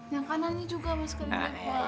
yang kanannya juga mas kelipan